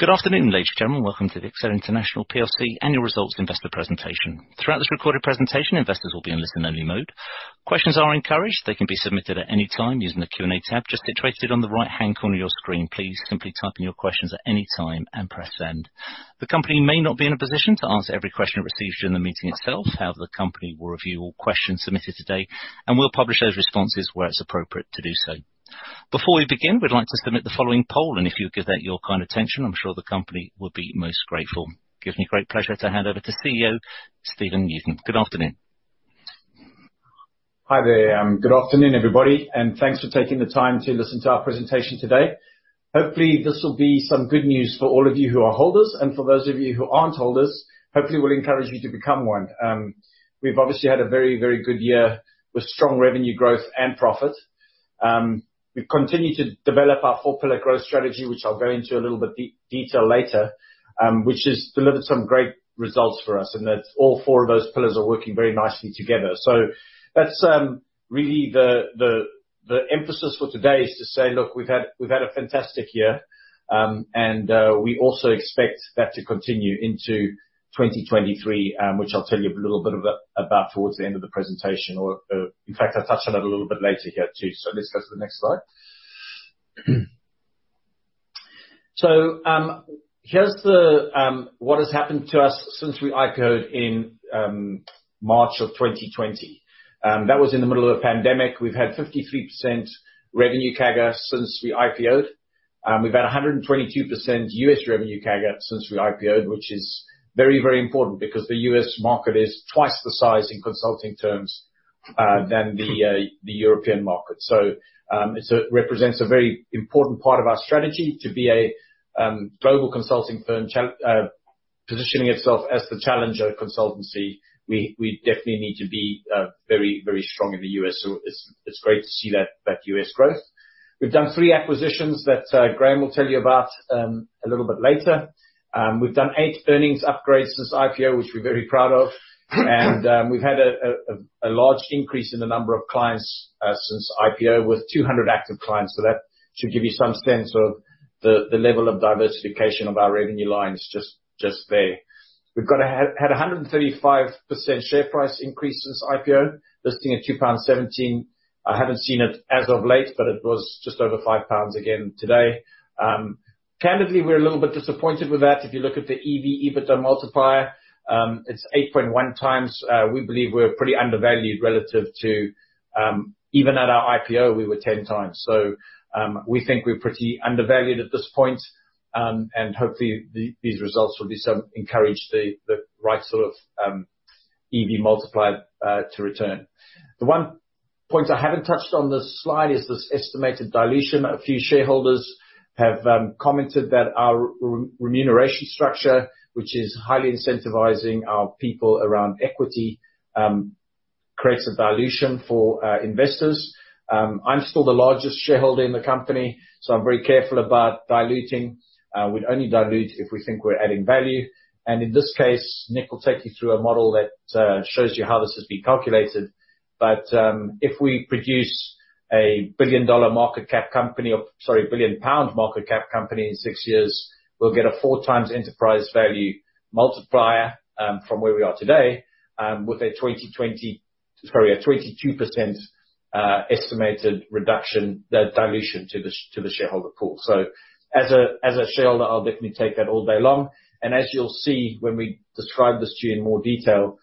Good afternoon, ladies and gentlemen. Welcome to the Elixirr International PLC Annual Results Investor Presentation. Throughout this recorded presentation, investors will be in listen only mode. Questions are encouraged. They can be submitted at any time using the Q&A tab just situated on the right-hand corner of your screen, please. Simply type in your questions at any time and press send. The company may not be in a position to answer every question it receives during the meeting itself. However, the company will review all questions submitted today, and we'll publish those responses where it's appropriate to do so. Before we begin, we'd like to submit the following poll, and if you'll give that your kind attention, I'm sure the company will be most grateful. Gives me great pleasure to hand over to CEO Stephen Newton. Good afternoon. Hi there. Good afternoon, everybody, and thanks for taking the time to listen to our presentation today. Hopefully, this will be some good news for all of you who are holders, and for those of you who aren't holders, hopefully we'll encourage you to become one. We've obviously had a very, very good year with strong revenue growth and profit. We've continued to develop our four-pillar growth strategy, which I'll go into a little bit detail later, which has delivered some great results for us, in that all four of those pillars are working very nicely together. That's really the emphasis for today is to say, "Look, we've had a fantastic year, and we also expect that to continue into 2023, which I'll tell you a little bit about towards the end of the presentation. In fact, I'll touch on it a little bit later here too." Let's go to the next slide. Here's what has happened to us since we IPO'd in March of 2020. That was in the middle of the pandemic. We've had 53% revenue CAGR since we IPO'd. We've had 122% U.S. revenue CAGR since we IPO'd, which is very important because the U.S. market is twice the size in consulting terms than the European market. It represents a very important part of our strategy to be a global consulting firm positioning itself as the challenger consultancy. We definitely need to be very strong in the U.S., it's great to see that U.S. growth. We've done three acquisitions that Graham will tell you about a little bit later. We've done eight earnings upgrades since IPO, which we're very proud of. We've had a large increase in the number of clients since IPO, with 200 active clients. That should give you some sense of the level of diversification of our revenue lines just there. We've had a 135% share price increase since IPO, listing at 2.17 pounds. I haven't seen it as of late, it was just over 5 pounds again today. Candidly we're a little bit disappointed with that. If you look at the EV/EBITDA multiplier, it's 8.1x. We believe we're pretty undervalued relative to even at our IPO we were 10x. We think we're pretty undervalued at this point, and hopefully these results will encourage the right sort of EV multiplier to return. The one point I haven't touched on this slide is this estimated dilution. A few shareholders have commented that our remuneration structure, which is highly incentivizing our people around equity, creates a dilution for investors. I'm still the largest shareholder in the company, I'm very careful about diluting. We'd only dilute if we think we're adding value. In this case, Nick will take you through a model that shows you how this has been calculated. If we produce a billion-dollar market cap company or, sorry, a billion-pound market cap company in six years, we'll get a 4x enterprise value multiplier from where we are today with a 22% estimated reduction dilution to the shareholder pool. As a shareholder, I'll definitely take that all day long. As you'll see when we describe this to you in more detail,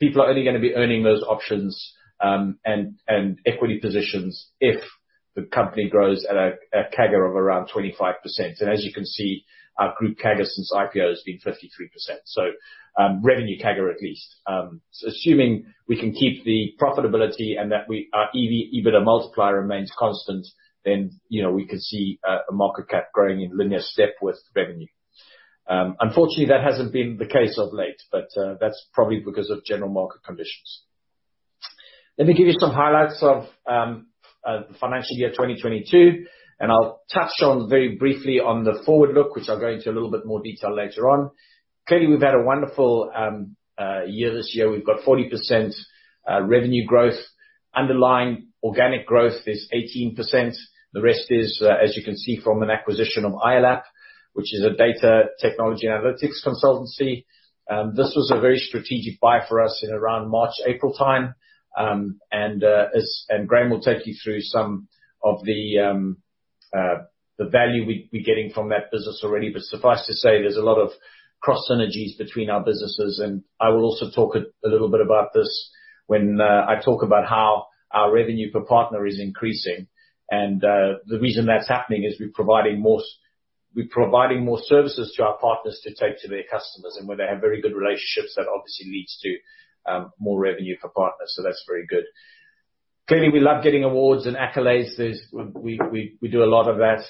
people are only gonna be earning those options and equity positions if the company grows at a CAGR of around 25%. As you can see, our group CAGR since IPO has been 53%, revenue CAGR at least. Assuming we can keep the profitability and that we, our EV/EBITDA multiplier remains constant, you know, we could see a market cap growing in linear step with revenue. Unfortunately, that hasn't been the case of late, that's probably because of general market conditions. Let me give you some highlights of the financial year 2022. I'll touch on very briefly on the forward look, which I'll go into a little bit more detail later on. Clearly, we've had a wonderful year this year. We've got 40% revenue growth. Underlying organic growth is 18%. The rest is as you can see from an acquisition of iOLAP, which is a data technology analytics consultancy. This was a very strategic buy for us in around March, April time. Graham will take you through some of the value we're getting from that business already. Suffice to say, there's a lot of cross synergies between our businesses. I will also talk a little bit about this when I talk about how our revenue per partner is increasing. The reason that's happening is we're providing more services to our partners to take to their customers. When they have very good relationships, that obviously leads to more revenue for partners. That's very good. Clearly, we love getting awards and accolades. We do a lot of that.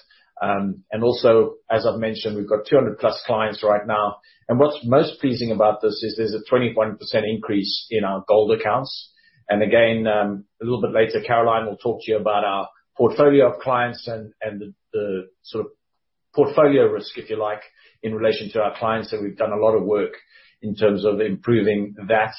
Also, as I've mentioned, we've got 200+ clients right now. What's most pleasing about this is there's a 21% increase in our gold clients. A little bit later, Caroline will talk to you about our portfolio of clients and the sort of portfolio risk, if you like, in relation to our clients. We've done a lot of work in terms of improving that.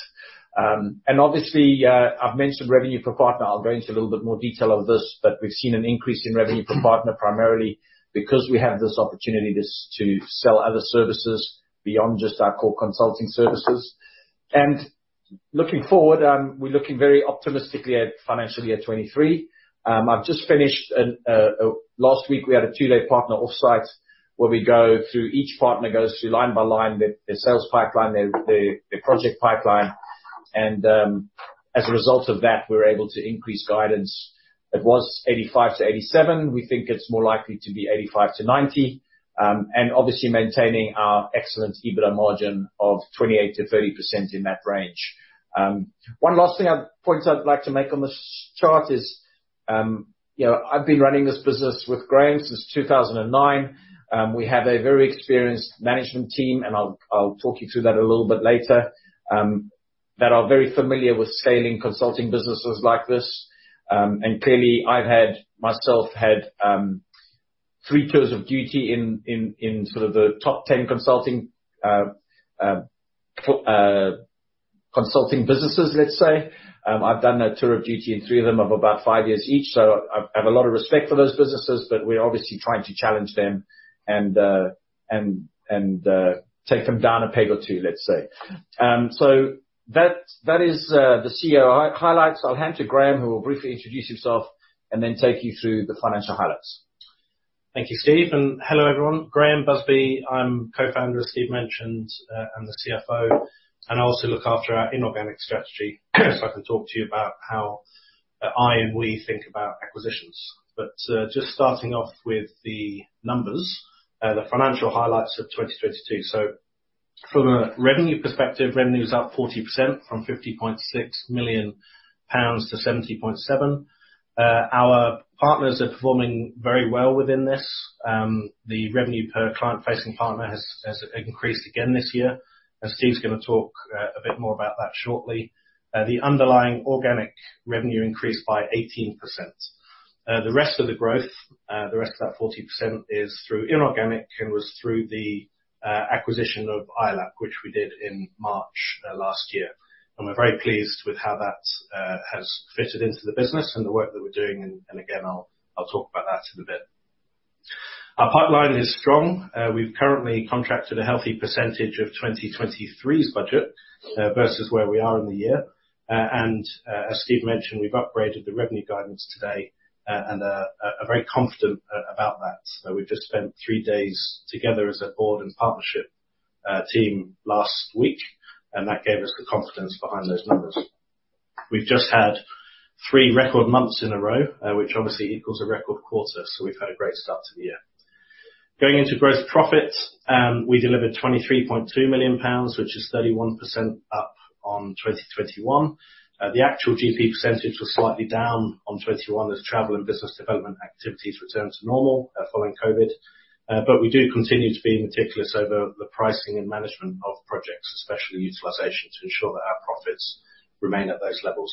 Obviously, I've mentioned revenue per partner. I'll go into a little bit more detail of this, but we've seen an increase in revenue per partner, primarily because we have this opportunity to sell other services beyond just our core consulting services. Looking forward, we're looking very optimistically at financial year 2023. Last week, we had a two-day partner off-site where each partner goes through line by line their sales pipeline, their project pipeline, and, as a result of that, we were able to increase guidance. It was 85 million-87 million. We think it's more likely to be 85 million-90 million and obviously maintaining our excellent EBITDA margin of 28%-30% in that range. One last thing point I'd like to make on this chart is, you know, I've been running this business with Graham since 2009. We have a very experienced management team, and I'll talk you through that a little bit later, that are very familiar with scaling consulting businesses like this. Clearly, I've myself, had three tours of duty in sort of the top 10 consulting businesses, let's say. I've done a tour of duty in three of them of about five years each, so I have a lot of respect for those businesses, but we're obviously trying to challenge them and take them down a peg or two, let's say. That, that is the CEO highlights. I'll hand to Graham, who will briefly introduce himself and then take you through the financial highlights. Thank you, Steve. Hello, everyone. Graham Busby. I'm Co-founder, as Steve mentioned, I'm the CFO, I also look after our inorganic strategy. I can talk to you about how I and we think about acquisitions. Just starting off with the numbers, the financial highlights of 2022. From a revenue perspective, revenue is up 40% from 50.6 million-70.7 million pounds. Our partners are performing very well within this. The revenue per client-facing partner has increased again this year, as Steve's gonna talk a bit more about that shortly. The underlying organic revenue increased by 18%. The rest of the growth, the rest of that 14% is through inorganic and was through the acquisition of iOLAP, which we did in March last year. We're very pleased with how that has fitted into the business and the work that we're doing, and again, I'll talk about that in a bit. Our pipeline is strong. We've currently contracted a healthy percentage of 2023's budget versus where we are in the year. As Steve mentioned, we've upgraded the revenue guidance today and are very confident about that. We've just spent three days together as a board and partnership team last week, and that gave us the confidence behind those numbers. We've just had three record months in a row, which obviously equals a record quarter. We've had a great start to the year. Going into gross profit, we delivered 23.2 million pounds, which is 31% up on 2021. The actual GP percentage was slightly down on 2021 as travel and business development activities return to normal following COVID. We do continue to be meticulous over the pricing and management of projects, especially utilization, to ensure that our profits remain at those levels.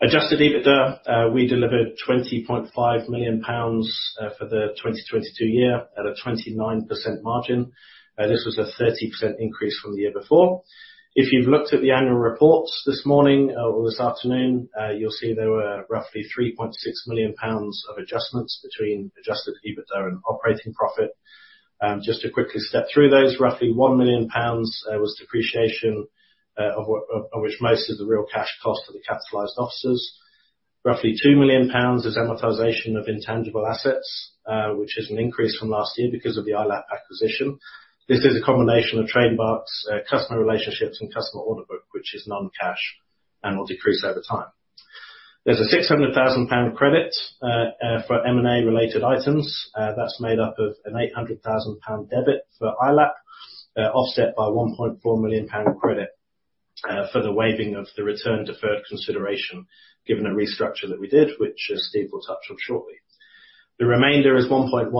Adjusted EBITDA, we delivered 20.5 million pounds for the 2022 year at a 29% margin. This was a 30% increase from the year before. If you've looked at the annual reports this morning or this afternoon, you'll see there were roughly 3.6 million pounds of adjustments between Adjusted EBITDA and operating profit. Just to quickly step through those, roughly 1 million pounds was depreciation, of which most is the real cash cost of the capitalized offices. Roughly 2 million pounds is amortization of intangible assets, which is an increase from last year because of the iOLAP acquisition. This is a combination of trademarks, customer relationships, and customer order book, which is non-cash and will decrease over time. There's a 600,000 pound credit for M&A related items. That's made up of a 800,000 pound debit for iOLAP, offset by a 1.4 million pound credit for the waiving of the [return] deferred consideration given a restructure that we did, which Steve will touch on shortly. The remainder is 1.16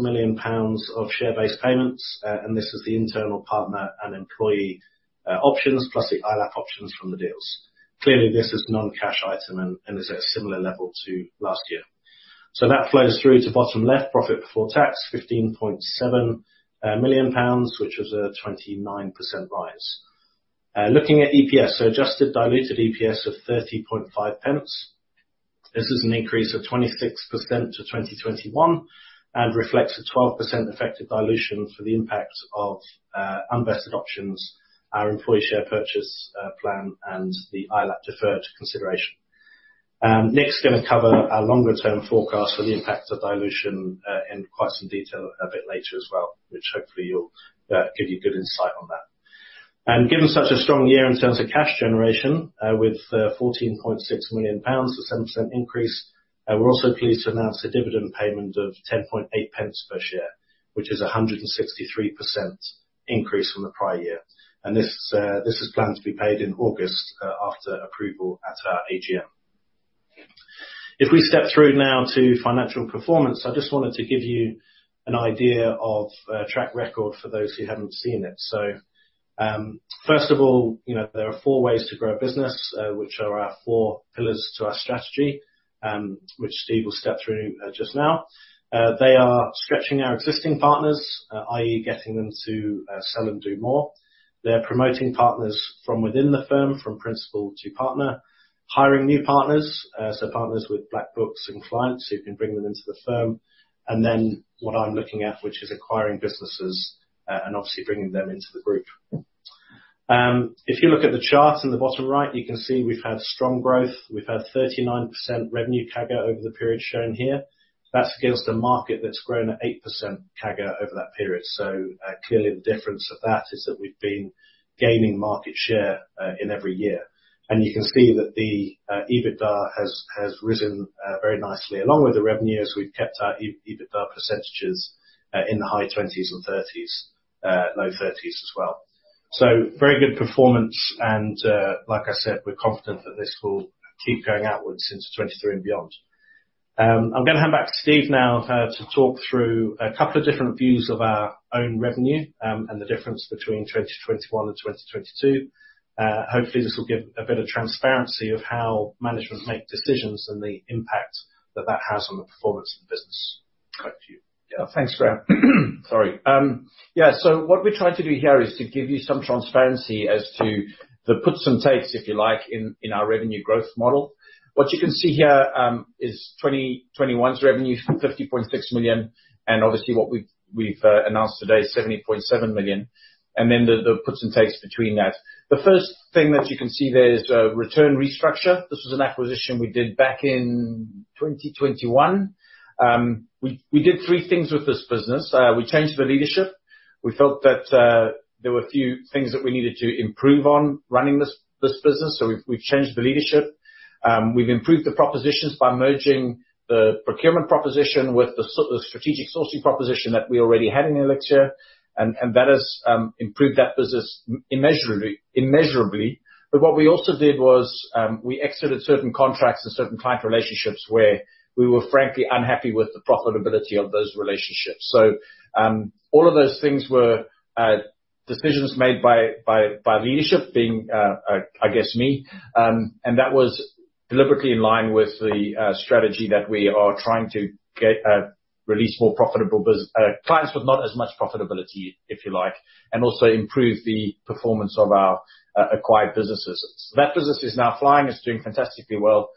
million pounds of share-based payments, this is the internal partner and employee options, plus the iOLAP options from the deals. Clearly, this is non-cash item and is at a similar level to last year. That flows through to bottom left profit before tax, 15.7 million pounds, which was a 29% rise. Looking at EPS, adjusted diluted EPS of 30.5. This is an increase of 26% to 2021 and reflects a 12% effective dilution for the impact of unvested options, our employee share purchase plan, and the iOLAP deferred consideration. Nick's gonna cover our longer term forecast for the impacts of dilution in quite some detail a bit later as well, which hopefully you'll give you good insight on that. Given such a strong year in terms of cash generation, with 14.6 million pounds, a 7% increase, we're also pleased to announce a dividend payment of 10.8 per share, which is a 163% increase from the prior year. This, this is planned to be paid in August, after approval at our AGM. If we step through now to financial performance, I just wanted to give you an idea of track record for those who haven't seen it. First of all, you know, there are four ways to grow a business, which are our four pillars to our strategy. Which Steve will step through just now. They are stretching our existing partners, i.e., getting them to sell and do more. They're promoting partners from within the firm, from principal to partner. Hiring new partners, so partners with black books and clients who can bring them into the firm. Then what I'm looking at, which is acquiring businesses, and obviously bringing them into the group. If you look at the chart in the bottom right, you can see we've had strong growth. We've had 39% revenue CAGR over the period shown here. That's against a market that's grown at 8% CAGR over that period. Clearly the difference of that is that we've been gaining market share in every year. You can see that the EBITDA has risen very nicely. Along with the revenues, we've kept our EBITDA percentages in the high twenties and thirties, low thirties as well. Very good performance and, like I said, we're confident that this will keep going outwards into 2023 and beyond. I'm gonna hand back to Steve now to talk through a couple of different views of our own revenue and the difference between 2021 and 2022. Hopefully this will give a bit of transparency of how management make decisions and the impact that that has on the performance of the business. Back to you. Yeah. Thanks, Graham. Sorry. Yeah, what we're trying to do here is to give you some transparency as to the puts and takes, if you like, in our revenue growth model. What you can see here, is 2021's revenue, 50.6 million, obviously what we've announced today is 70.7 million, then the puts and takes between that. The first thing that you can see there is a Retearn restructure. This was an acquisition we did back in 2021. We did three things with this business. We changed the leadership. We felt that there were a few things that we needed to improve on running this business, we've changed the leadership. We've improved the propositions by merging the procurement proposition with the strategic sourcing proposition that we already had in Elixirr. That has improved that business immeasurably. What we also did was, we exited certain contracts and certain client relationships where we were frankly unhappy with the profitability of those relationships. All of those things were decisions made by leadership, being, I guess me. That was deliberately in line with the strategy that we are trying to get release more profitable clients with not as much profitability, if you like, and also improve the performance of our acquired businesses. That business is now flying. It's doing fantastically well.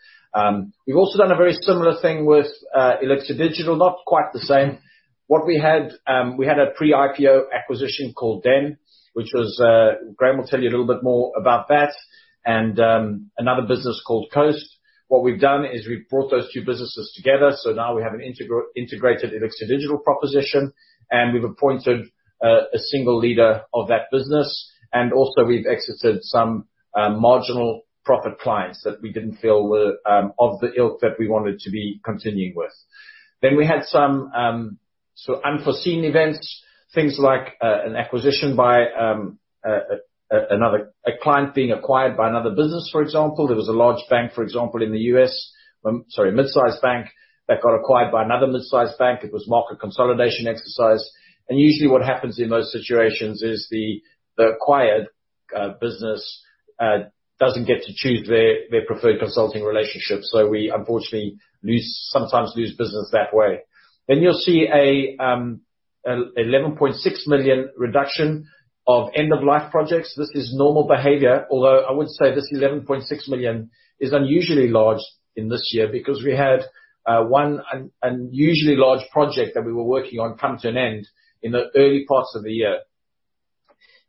We've also done a very similar thing with Elixirr Digital, not quite the same. What we had, we had a pre-IPO acquisition called Den, which was, Graham will tell you a little bit more about that, and another business called Coast. What we've done is we've brought those two businesses together, so now we have an integrated Elixirr Digital proposition, and we've appointed a single leader of that business. Also we've exited some marginal profit clients that we didn't feel were of the ilk that we wanted to be continuing with. We had some sort of unforeseen events, things like an acquisition by a client being acquired by another business, for example. There was a large bank, for example, in the U.S., sorry, mid-sized bank that got acquired by another mid-sized bank. It was market consolidation exercise. Usually what happens in those situations is the acquired business doesn't get to choose their preferred consulting relationship. We unfortunately sometimes lose business that way. You'll see a 11.6 million reduction of end-of-life projects. This is normal behavior, although I would say this 11.6 million is unusually large in this year because we had one unusually large project that we were working on come to an end in the early parts of the year.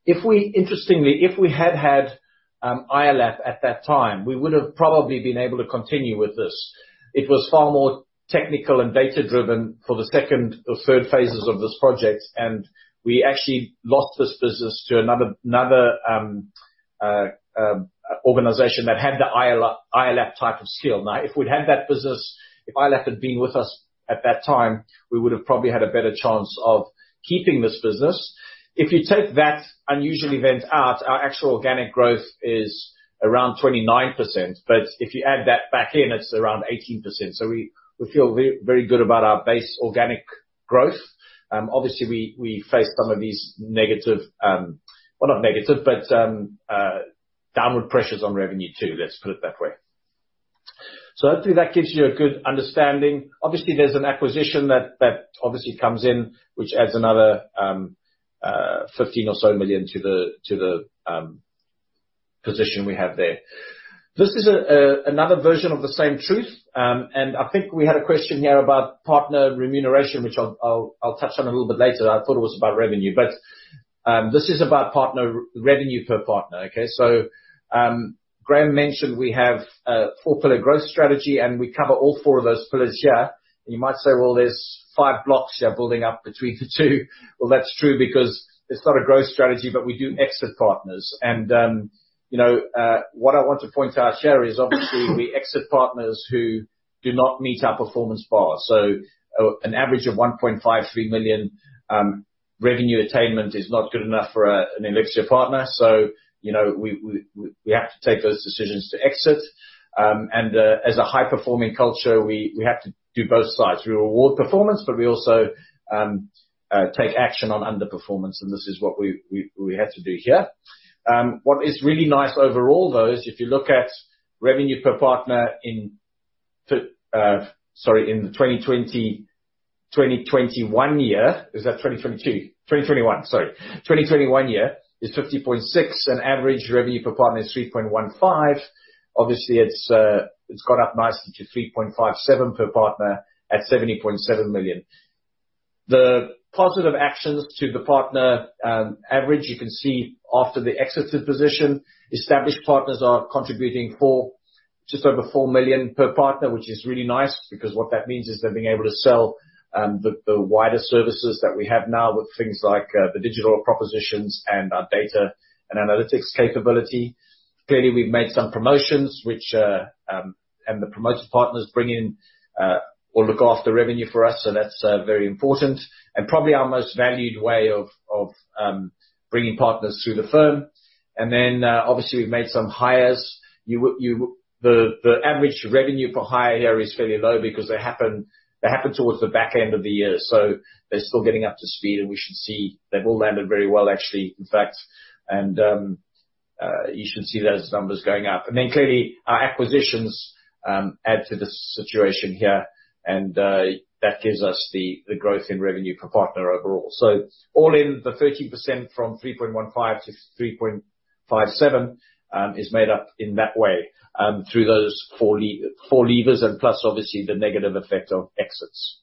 Interestingly, if we had had iOLAP at that time, we would've probably been able to continue with this. It was far more technical and data driven for the second or third phases of this project, and we actually lost this business to another organization that had the iOLAP type of skill. If we'd had that business, if iOLAP had been with us at that time, we would've probably had a better chance of keeping this business. If you take that unusual event out, our actual organic growth is around 29%. If you add that back in, it's around 18%. We feel very good about our base organic growth. Obviously we face some of these negative, well, not negative, but downward pressures on revenue too, let's put it that way. Hopefully that gives you a good understanding. Obviously, there's an acquisition that obviously comes in, which adds another 15 or so million to the, to the position we have there. This is a another version of the same truth. I think we had a question here about partner remuneration, which I'll touch on a little bit later. I thought it was about revenue. This is about partner revenue per partner. Okay? Graham mentioned we have a four-pillar growth strategy, and we cover all four of those pillars here. You might say, "Well, there's five blocks here building up between the two." Well, that's true because it's not a growth strategy, but we do exit partners. You know, what I want to point out, Sharon, is obviously we exit partners who do not meet our performance bar. An average of 1.53 million revenue attainment is not good enough for an Elixirr partner. You know, we have to take those decisions to exit. As a high-performing culture, we have to do both sides. We reward performance, we also take action on underperformance, this is what we had to do here. What is really nice overall, though, is if you look at revenue per partner into, sorry, in the 2020, 2021 year. Is that 2022? 2021, sorry. 2021 year is 50.6 million, and average revenue per partner is 3.15 million. Obviously, it's gone up nicely to 3.57 million per partner at 70.7 million. The positive actions to the partner average, you can see after the exited position, established partners are contributing just over 4 million per partner, which is really nice because what that means is they're being able to sell the wider services that we have now with things like the digital propositions and our data and analytics capability. Clearly, we've made some promotions which, and the promotion partners bring in or look after revenue for us, so that's very important and probably our most valued way of bringing partners through the firm. Obviously we've made some hires. The average revenue per hire here is fairly low because they happen towards the back end of the year, so they're still getting up to speed, and we should see they've all landed very well actually, in fact. You should see those numbers going up. Clearly our acquisitions add to the situation here that gives us the growth in revenue per partner overall. All in the 13% from 3.15 million-3.57 million is made up in that way through those four levers and plus obviously the negative effect of exits.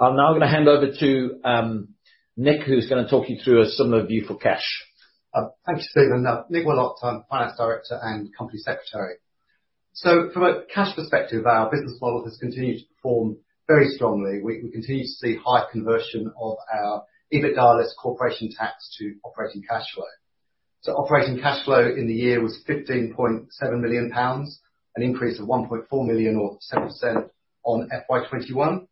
I'm now gonna hand over to Nick, who's gonna talk you through a similar view for cash. Thanks, Stephen. Nick Willott, I'm Finance Director and Company Secretary. From a cash perspective, our business model has continued to perform very strongly. We continue to see high conversion of our EBITDA less corporation tax to operating cash flow. Operating cash flow in the year was 15.7 million pounds, an increase of 1.4 million or 7% on FY 2021.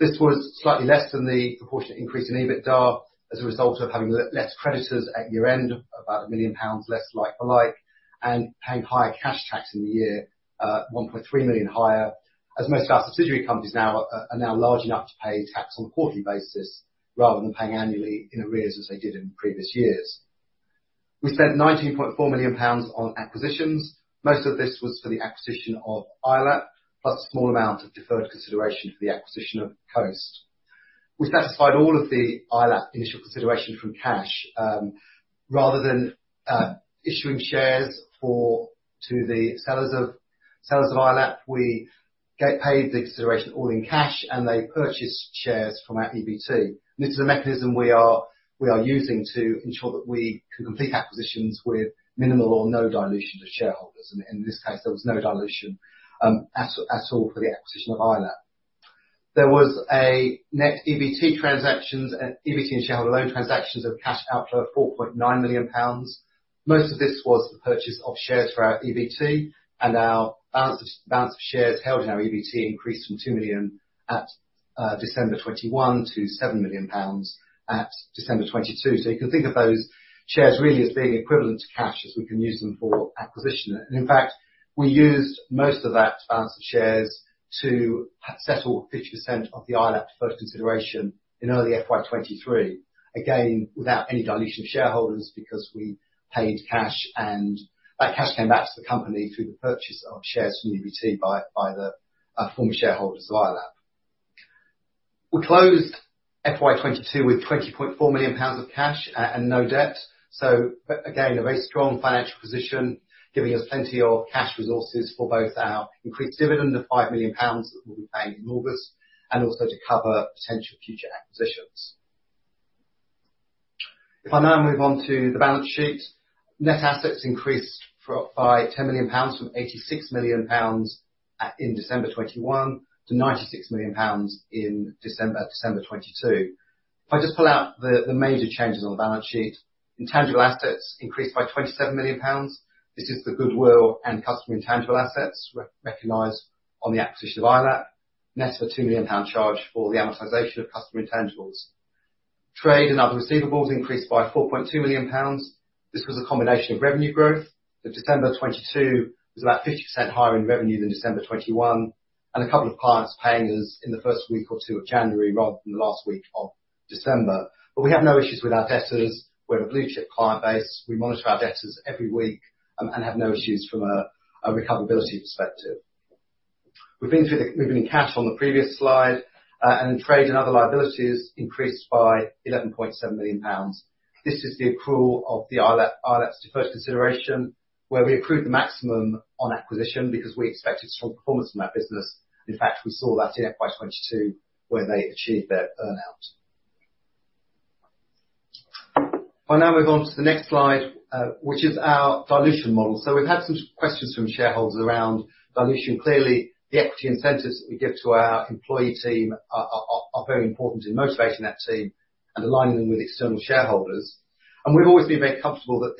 This was slightly less than the proportionate increase in EBITDA as a result of having less creditors at year-end, about 1 million pounds less like for like, and paying higher cash tax in the year, 1.3 million higher, as most of our subsidiary companies now are now large enough to pay tax on a quarterly basis rather than paying annually in arrears as they did in previous years. We spent 19.4 million pounds on acquisitions. Most of this was for the acquisition of iOLAP, plus a small amount of deferred consideration for the acquisition of Coast. We satisfied all of the iOLAP initial consideration from cash. Rather than issuing shares for, to the sellers of iOLAP, we paid the consideration all in cash and they purchased shares from our EBT. This is a mechanism we are using to ensure that we can complete acquisitions with minimal or no dilution to shareholders. In this case, there was no dilution at all for the acquisition of iOLAP. There was a net EBT transactions and EBT and shareholder loan transactions of cash outflow of 4.9 million pounds. Most of this was the purchase of shares for our EBT and our balance of shares held in our EBT increased from 2 million at December 2021 to 7 million pounds at December 2022. You can think of those shares really as being equivalent to cash as we can use them for acquisition. In fact, we used most of that balance of shares to settle 50% of the iOLAP deferred consideration in early FY 2023. Again, without any dilution of shareholders because we paid cash and that cash came back to the company through the purchase of shares from EBT by the former shareholders of iOLAP. We closed FY 2022 with 20.4 million pounds of cash and no debt. Again, a very strong financial position, giving us plenty of cash resources for both our increased dividend of 5 million pounds that will be paid in August, and also to cover potential future acquisitions. If I now move on to the balance sheet, net assets increased by 10 million pounds from 86 million pounds in December 2021 to 96 million pounds in December 2022. If I just pull out the major changes on the balance sheet, intangible assets increased by 27 million pounds. This is the goodwill and customer intangible assets re-recognized on the acquisition of iOLAP. Net of a 2 million pound charge for the amortization of customer intangibles. Trade and other receivables increased by 4.2 million pounds. This was a combination of revenue growth, so December 2022 was about 50% higher in revenue than December 2021, and a couple of clients paying us in the first week or two of January rather than the last week of December. We have no issues with our debtors. We have a blue-chip client base. We monitor our debtors every week, and have no issues from a recoverability perspective. We've been through moving cash on the previous slide, and trade and other liabilities increased by 11.7 million pounds. This is the accrual of the iOLAP's deferred consideration, where we accrued the maximum on acquisition because we expected strong performance from that business. In fact, we saw that in FY 2022 when they achieved their earn-out. If I now move on to the next slide, which is our dilution model. We've had some questions from shareholders around dilution. Clearly, the equity incentives that we give to our employee team are very important in motivating that team and aligning them with external shareholders. We've always been very comfortable that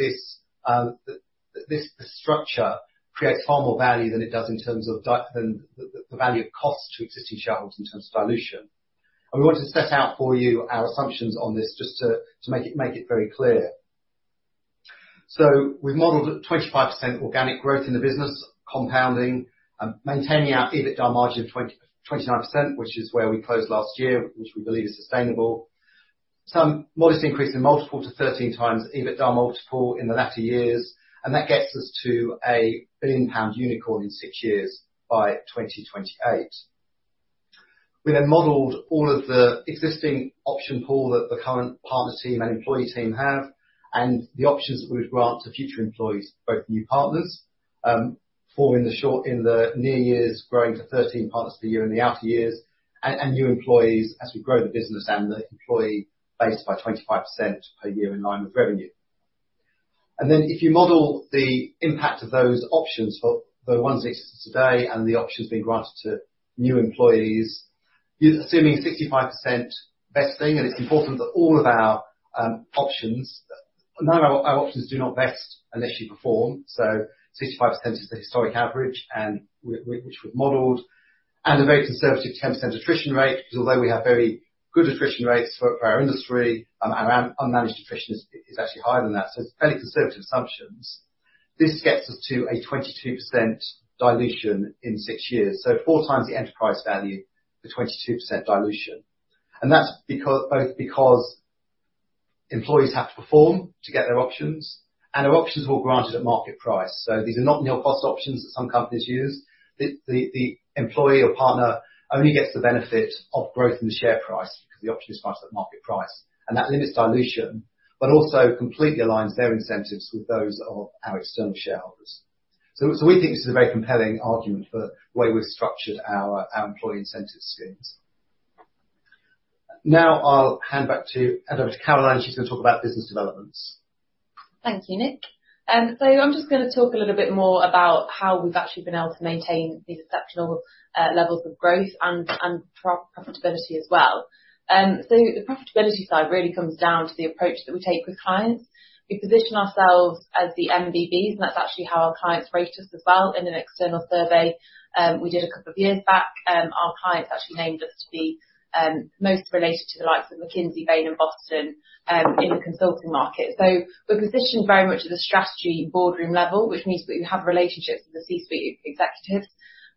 this structure creates far more value than it does in terms of than the value of cost to existing shareholders in terms of dilution. We want to set out for you our assumptions on this just to make it very clear. We've modeled at 25% organic growth in the business compounding and maintaining our EBITDA margin of 29%, which is where we closed last year, which we believe is sustainable. Some modest increase in multiple to 13x EBITDA multiple in the latter years. That gets us to a billion-pound unicorn in six years by 2028. We modeled all of the existing option pool that the current partner team and employee team have and the options that we would grant to future employees, both new partners, forming the short in the near years, growing to 13 partners per year in the after years and new employees as we grow the business and the employee base by 25% per year in line with revenue. If you model the impact of those options for the ones that exist today and the options being granted to new employees, you're assuming 65% vesting. It's important that none of our options do not vest unless you perform. 65% is the historic average and which we've modeled and a very conservative 10% attrition rate, because although we have very good attrition rates for our industry, our unmanaged attrition is actually higher than that. It's fairly conservative assumptions. This gets us to a 22% dilution in six years, 4x the enterprise value for 22% dilution. That's because, both because employees have to perform to get their options and our options were granted at market price. These are not nil cost options that some companies use. The employee or partner only gets the benefit of growth in the share price because the option is priced at market price. That limits dilution, but also completely aligns their incentives with those of our external shareholders. We think this is a very compelling argument for the way we've structured our employee incentive schemes. Now I'll hand over to Caroline. She's gonna talk about business developments. Thank you, Nick. So I'm just gonna talk a little bit more about how we've actually been able to maintain these exceptional levels of growth and pro-profitability as well. The profitability side really comes down to the approach that we take with clients. We position ourselves as the MBBs, and that's actually how our clients rate us as well in an external survey we did a couple of years back. Our clients actually named us to be most related to the likes of McKinsey, Bain, and Boston in the consulting market. We're positioned very much at a strategy boardroom level, which means that we have relationships with the C-suite executives.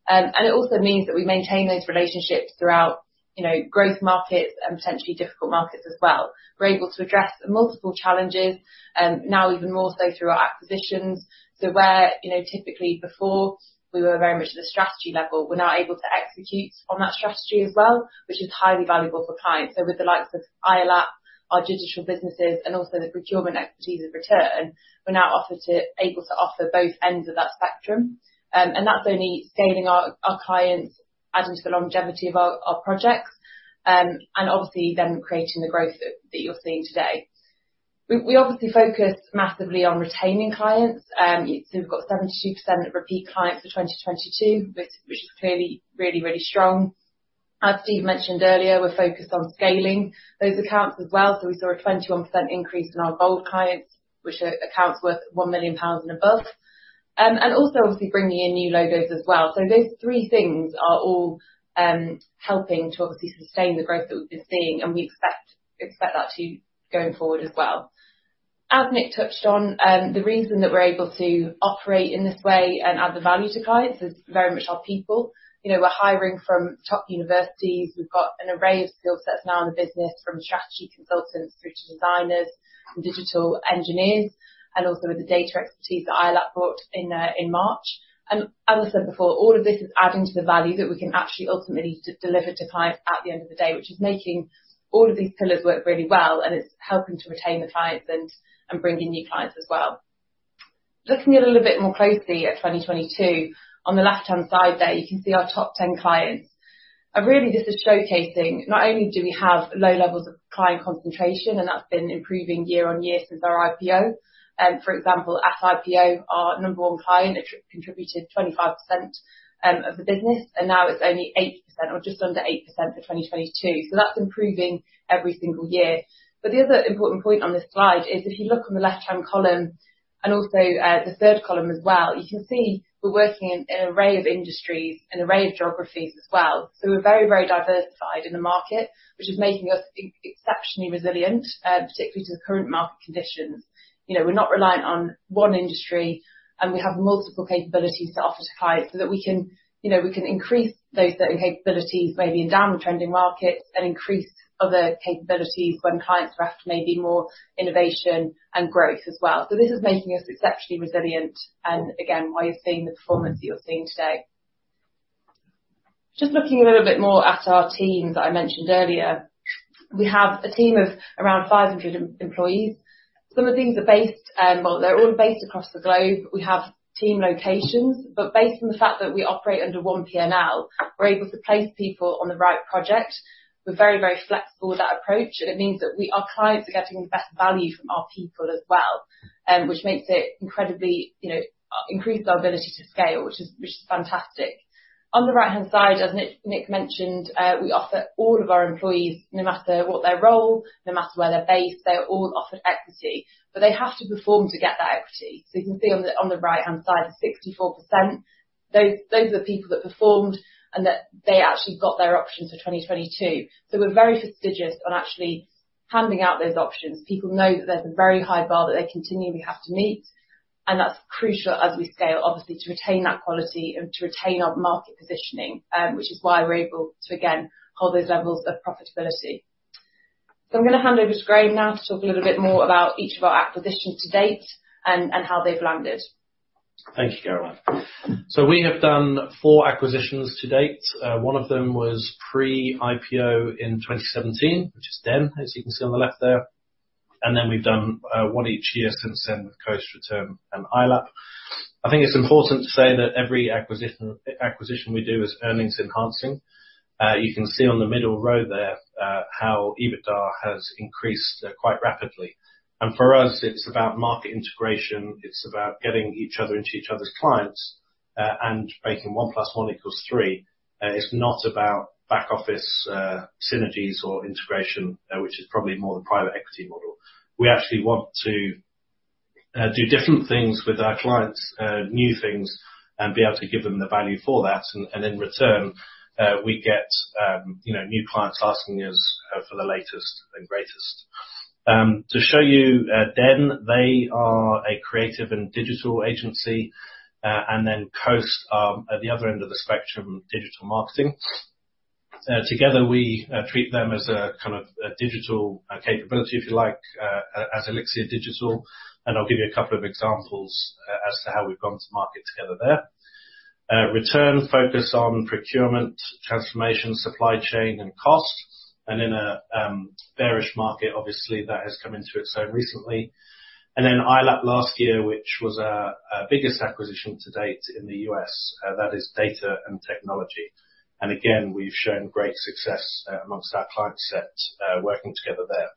It also means that we maintain those relationships throughout, you know, growth markets and potentially difficult markets as well. We're able to address multiple challenges now even more so through our acquisitions. Where, you know, typically before we were very much at a strategy level, we're now able to execute on that strategy as well, which is highly valuable for clients. With the likes of iOLAP, our digital businesses, and also the procurement expertise of Retearn, we're now able to offer both ends of that spectrum. That's only scaling our clients adding to the longevity of our projects, and obviously then creating the growth that you're seeing today. We obviously focus massively on retaining clients. We've got 72% repeat clients for 2022, which is clearly really, really strong. As Steve mentioned earlier, we're focused on scaling those accounts as well. We saw a 21% increase in our gold clients, which are accounts worth 1 million pounds and above. Also obviously bringing in new logos as well. Those three things are all helping to obviously sustain the growth that we've been seeing, and we expect that to going forward as well. As Nick touched on, the reason that we're able to operate in this way and add the value to clients is very much our people. You know, we're hiring from top universities. We've got an array of skill sets now in the business, from strategy consultants through to designers and digital engineers, and also with the data expertise that iOLAP brought in in March. As I said before, all of this is adding to the value that we can actually ultimately deliver to clients at the end of the day, which is making all of these pillars work really well, and it's helping to retain the clients and bring in new clients as well. Looking a little bit more closely at 2022, on the left-hand side there, you can see our top 10 clients. Really this is showcasing not only do we have low levels of client concentration, and that's been improving year on year since our IPO. For example, at IPO, our number one client attributed 25% of the business, and now it's only 8% or just under 8% for 2022. That's improving every single year. The other important point on this slide is if you look on the left-hand column and also, the third column as well, you can see we're working in an array of industries and array of geographies as well. We're very, very diversified in the market, which is making us exceptionally resilient, particularly to the current market conditions. You know, we're not reliant on one industry, and we have multiple capabilities to offer to clients so that we can, you know, we can increase those capabilities maybe in downtrending markets and increase other capabilities when clients request maybe more innovation and growth as well. This is making us exceptionally resilient and again, why you're seeing the performance that you're seeing today. Just looking a little bit more at our teams that I mentioned earlier, we have a team of around 500 employees. Some of these are based, well, they're all based across the globe. We have team locations, but based on the fact that we operate under one P&L, we're able to place people on the right project. We're very, very flexible with that approach. It means that our clients are getting the best value from our people as well, which makes it incredibly, you know, increases our ability to scale, which is fantastic. On the right-hand side, as Nick mentioned, we offer all of our employees, no matter what their role, no matter where they're based, they're all offered equity, but they have to perform to get that equity. You can see on the right-hand side, 64%, those are people that performed and that they actually got their options for 2022. We're very fastidious on actually handing out those options. People know that there's a very high bar that they continually have to meet, and that's crucial as we scale, obviously, to retain that quality and to retain our market positioning, which is why we're able to, again, hold those levels of profitability. I'm gonna hand over to Graham now to talk a little bit more about each of our acquisitions to date and how they've landed. Thank you, Caroline. We have done four acquisitions to date. One of them was pre-IPO in 2017, which is Den, as you can see on the left there. Then we've done one each year since then with Coast, Retearn, and iOLAP. I think it's important to say that every acquisition we do is earnings enhancing. You can see on the middle row there how EBITDA has increased quite rapidly. For us, it's about market integration, it's about getting each other into each other's clients, and making 1 + 1 = 3. It's not about back-office synergies or integration, which is probably more the private equity model. We actually want to do different things with our clients, new things, and be able to give them the value for that. In return, we get, you know, new clients asking us for the latest and greatest. To show you, Den, they are a creative and digital agency. Coast are at the other end of the spectrum, digital marketing. Together, we treat them as a kind of a digital capability, if you like, as Elixirr Digital. I'll give you a couple of examples as to how we've gone to market together there. Retearn focus on procurement, transformation, supply chain, and cost. In a bearish market, obviously, that has come into its own recently. iOLAP last year, which was our biggest acquisition to date in the U.S. That is data and technology. Again, we've shown great success amongst our client set, working together there.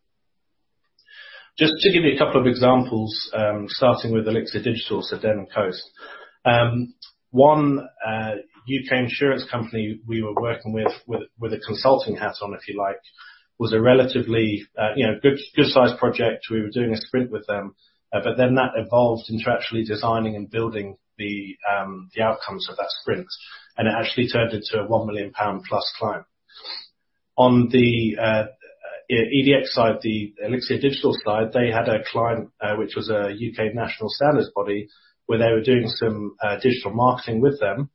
Just to give you a couple of examples, starting with Elixirr Digital, so Den and Coast. One U.K. insurance company we were working with a consulting hat on, if you like, was a relatively, you know, good sized project. We were doing a sprint with them. That evolved into actually designing and building the outcomes of that sprint. It actually turned into a 1 million pound+ client. On the EDX side, the Elixirr Digital side, they had a client, which was a U.K. national standards body, where they were doing some digital marketing with them.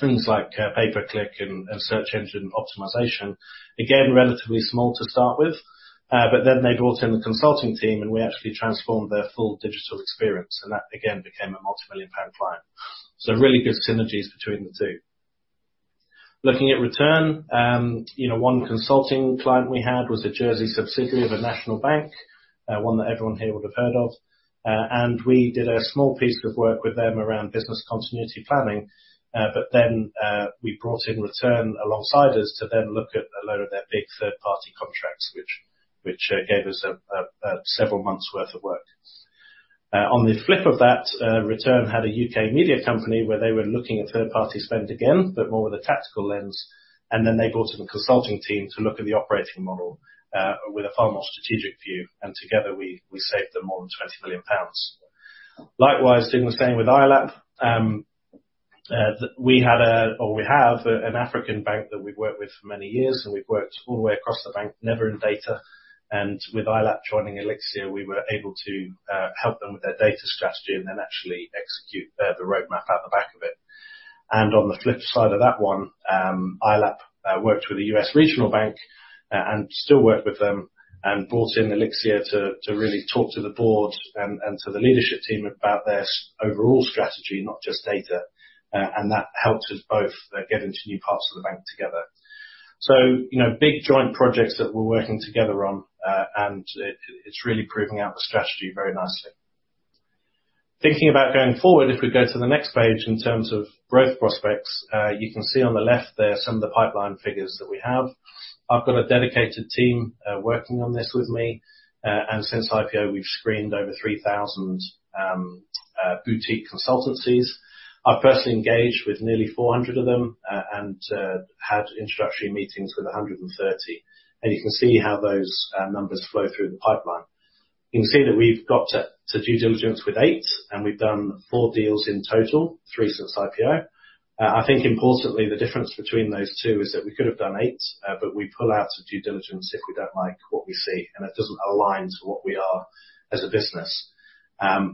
Things like pay per click and search engine optimization. Again, relatively small to start with, but then they brought in the consulting team, and we actually transformed their full digital experience. That, again, became a multi-million GBP client. Really good synergies between the two. Looking at Retearn, you know, one consulting client we had was a Jersey subsidiary of a national bank, one that everyone here would have heard of. We did a small piece of work with them around business continuity planning. We brought in Retearn alongside us to then look at a load of their big third-party contracts, which gave us a several months worth of work. On the flip of that, Retearn had a U.K. media company where they were looking at third-party spend again, but more with a tactical lens. They brought in the consulting team to look at the operating model with a far more strategic view. Together, we saved them more than 20 million pounds. Likewise, doing the same with iOLAP. We have an African bank that we've worked with for many years, and we've worked all the way across the bank, never in data. With iOLAP joining Elixirr, we were able to help them with their data strategy and then actually execute the roadmap out the back of it. On the flip side of that one, iOLAP worked with a U.S. regional bank and still work with them, and brought in Elixirr to really talk to the board and to the leadership team about their overall strategy, not just data. That helped us both get into new parts of the bank together. You know, big joint projects that we're working together on. It's really proving out the strategy very nicely. Thinking about going forward, if we go to the next page in terms of growth prospects, you can see on the left there some of the pipeline figures that we have. I've got a dedicated team working on this with me. Since IPO, we've screened over 3,000 boutique consultancies. I've personally engaged with nearly 400 of them and had introductory meetings with 130. You can see how those numbers flow through the pipeline. You can see that we've got to due diligence with eight, and we've done four deals in total, three since IPO. I think importantly, the difference between those two is that we could have done eight, but we pull out of due diligence if we don't like what we see and it doesn't align to what we are as a business.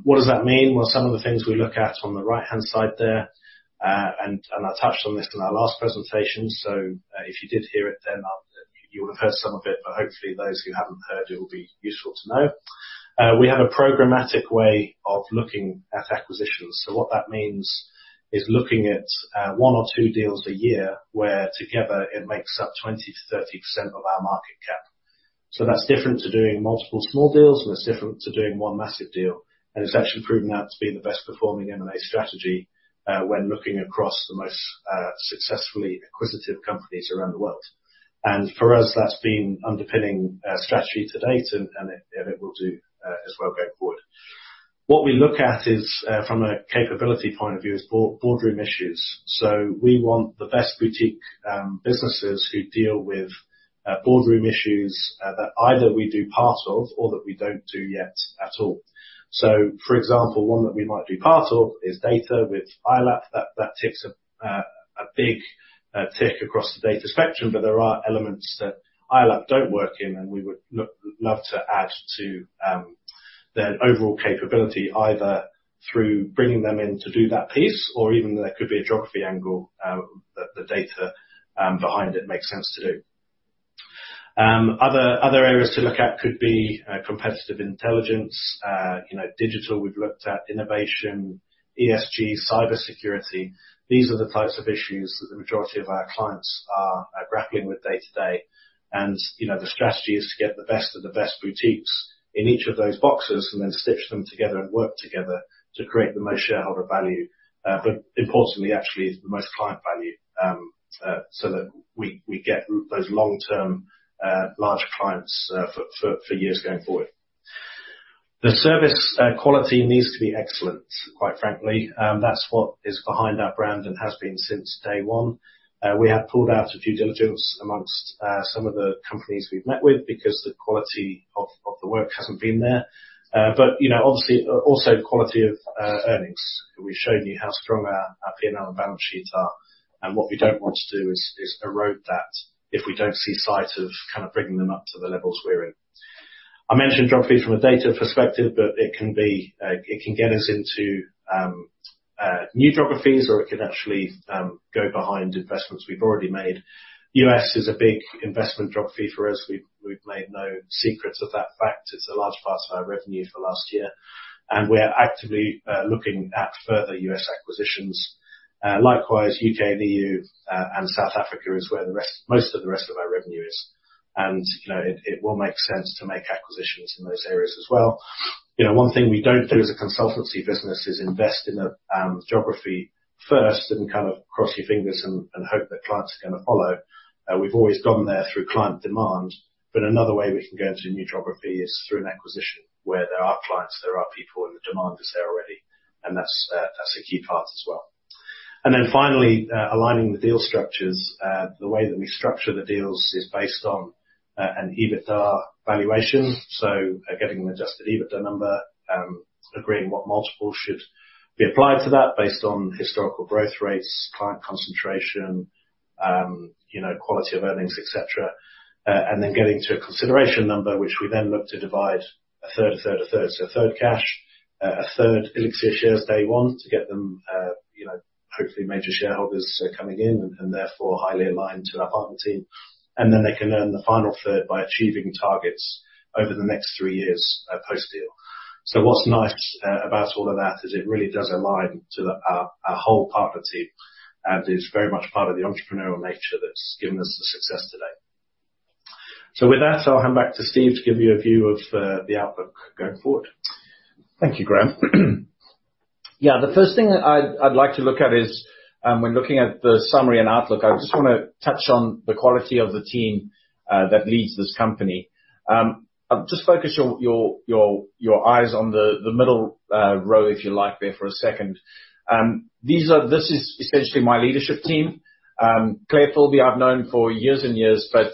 What does that mean? Well, some of the things we look at on the right-hand side there, I touched on this in our last presentation, if you did hear it, you would have heard some of it, but hopefully those who haven't heard it will be useful to know. We have a programmatic way of looking at acquisitions. What that means is looking at one or two deals a year where together it makes up 20%-30% of our market cap. That's different to doing multiple small deals, and it's different to doing one massive deal. It's actually proven out to be the best performing M&A strategy when looking across the most successfully acquisitive companies around the world. For us, that's been underpinning our strategy to date and it will do as well going forward. What we look at is from a capability point of view is board, boardroom issues. We want the best boutique businesses who deal with boardroom issues that either we do part of or that we don't do yet at all. For example, one that we might do part of is data with iOLAP. That ticks a big tick across the data spectrum, but there are elements that iOLAP don't work in, and we would love to add to their overall capability Through bringing them in to do that piece or even there could be a geography angle that the data behind it makes sense to do. Other areas to look at could be competitive intelligence. You know, digital, we've looked at innovation, ESG, cybersecurity. These are the types of issues that the majority of our clients are grappling with day-to-day. You know, the strategy is to get the best of the best boutiques in each of those boxes and then stitch them together and work together to create the most shareholder value. Importantly, actually, the most client value, so that we get those long-term, larger clients, for years going forward. The service quality needs to be excellent, quite frankly. That's what is behind our brand and has been since day one. We have pulled out of due diligence amongst some of the companies we've met with because the quality of the work hasn't been there. You know, obviously, also quality of earnings. We've shown you how strong our P&L and balance sheets are. What we don't want to do is erode that if we don't see sight of kind of bringing them up to the levels we're in. I mentioned geography from a data perspective, but it can get us into new geographies or it can actually go behind investments we've already made. U.S. is a big investment geography for us. We've made no secrets of that fact. It's a large part of our revenue for last year, and we are actively looking at further U.S. acquisitions. Likewise, U.K. and EU and South Africa is where most of the rest of our revenue is. You know, it will make sense to make acquisitions in those areas as well. You know, one thing we don't do as a consultancy business is invest in a geography first and kind of cross your fingers and hope that clients are gonna follow. We've always gone there through client demand. Another way we can go into a new geography is through an acquisition where there are clients, there are people, and the demand is there already. That's a key part as well. Finally, aligning the deal structures. The way that we structure the deals is based on an EBITDA valuation. Getting an adjusted EBITDA number, agreeing what multiple should be applied to that based on historical growth rates, client concentration, you know, quality of earnings, et cetera. Getting to a consideration number which we then look to divide a third, a third, a third. A third cash, a third Elixirr shares day one to get them, you know, hopefully major shareholders coming in and therefore highly aligned to our partner team. They can earn the final third by achieving targets over the next three years post-deal. What's nice about all of that is it really does align to our whole partner team, and is very much part of the entrepreneurial nature that's given us the success today. With that, I'll hand back to Steve to give you a view of the outlook going forward. Thank you, Graham. Yeah, the first thing I'd like to look at is, when looking at the summary and outlook, I just wanna touch on the quality of the team that leads this company. Just focus your eyes on the middle row, if you like, there for a second. This is essentially my leadership team. Clare Filby, I've known for years and years, but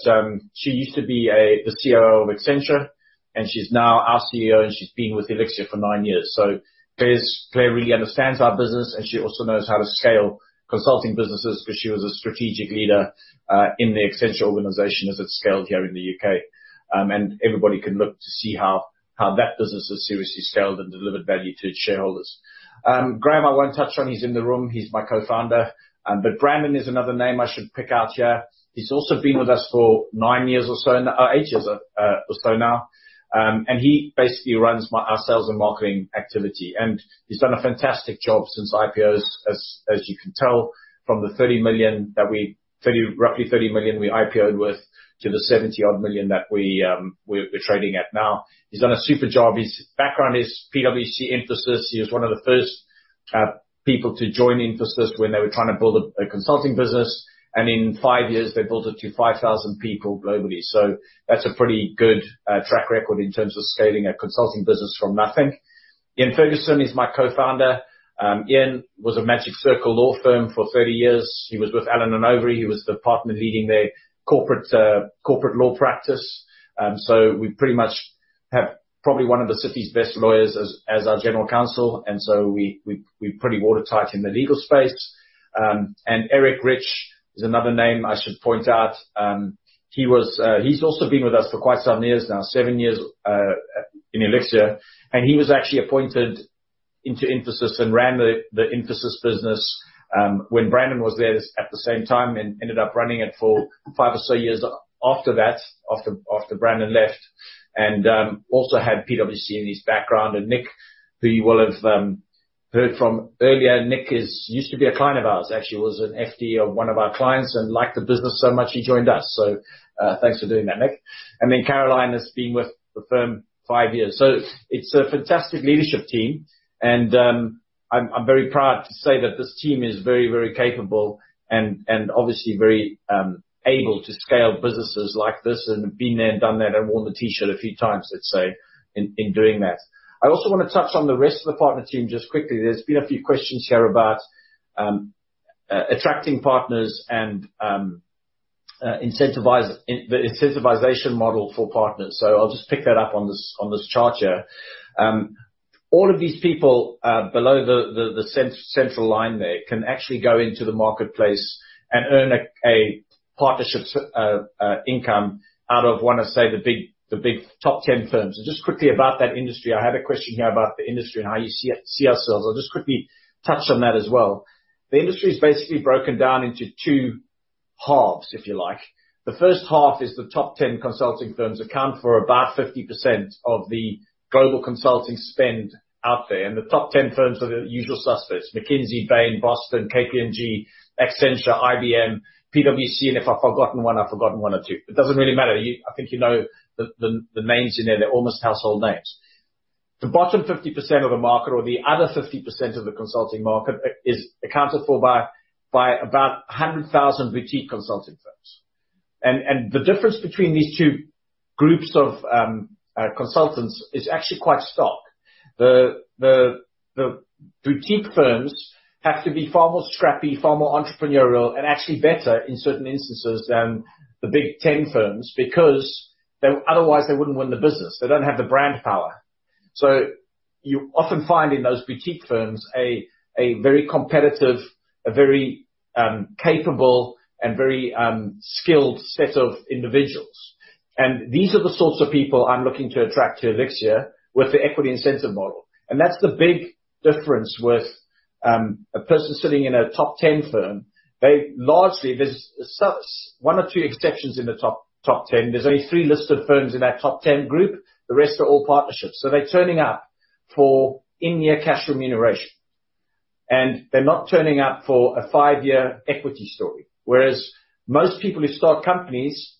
she used to be a, the COO of Accenture, and she's now our CEO, and she's been with Elixirr for nine years. Clare really understands our business, and she also knows how to scale consulting businesses because she was a strategic leader in the Accenture organization as it scaled here in the U.K. Everybody can look to see how that business has seriously scaled and delivered value to its shareholders. Graham, I won't touch on. He's in the room. He's my co-founder. Brandon is another name I should pick out here. He's also been with us for nine years or so now, eight years or so now. He basically runs our sales and marketing activity, and he's done a fantastic job since IPO, as you can tell, from the 30 million that we roughly 30 million we IPO'd with, to the 70 odd million that we're trading at now. He's done a super job. His background is PwC, Infosys. He was one of the first people to join Infosys when they were trying to build a consulting business. In five years, they built it to 5,000 people globally. That's a pretty good track record in terms of scaling a consulting business from nothing. Ian Ferguson is my co-founder. Ian was at Magic Circle law firm for 30 years. He was with Allen & Overy. He was the partner leading their corporate law practice. We pretty much have probably one of the city's best lawyers as our general counsel. We're pretty watertight in the legal space. Eric Rich is another name I should point out. He's also been with us for quite some years now, seven years, in Elixirr. He was actually appointed into Infosys and ran the Infosys business when Brandon was there at the same time and ended up running it for five or so years after that, after Brandon left. Also had PwC in his background. Nick, who you will have heard from earlier, used to be a client of ours, actually. Was an FD of one of our clients and liked the business so much he joined us. Thanks for doing that, Nick. Caroline has been with the firm five years. It's a fantastic leadership team and I'm very proud to say that this team is very capable and obviously very able to scale businesses like this and been there and done that and worn the T-shirt a few times, let's say, in doing that. I also wanna touch on the rest of the partner team just quickly. There's been a few questions here about attracting partners and the incentivization model for partners. I'll just pick that up on this chart here. All of these people below the central line there can actually go into the marketplace and earn a partnership income out of, wanna say, the big top 10 firms. Just quickly about that industry, I had a question here about the industry and how you see ourselves. I'll just quickly touch on that as well. The industry is basically broken down into two halves, if you like. The first half is the top 10 consulting firms account for about 50% of the global consulting spend out there. The top 10 firms are the usual suspects, McKinsey, Bain, Boston, KPMG, Accenture, IBM, PwC. If I've forgotten one, I've forgotten one or two. It doesn't really matter. I think you know the mains in there. They're almost household names. The bottom 50% of the market or the other 50% of the consulting market is accounted for by about 100,000 boutique consulting firms. The difference between these two groups of consultants is actually quite stark. The boutique firms have to be far more scrappy, far more entrepreneurial, and actually better in certain instances than the big 10 firms because otherwise they wouldn't win the business. They don't have the brand power. You often find in those boutique firms a very competitive, a very capable and very skilled set of individuals. These are the sorts of people I'm looking to attract to Elixirr with the equity incentive model. That's the big difference with a person sitting in a top 10 firm. They largely, there's one or two exceptions in the top 10. There's only three listed firms in that top 10 group. The rest are all partnerships. They're turning up for in-year cash remuneration. They're not turning up for a five-year equity story. Most people who start companies,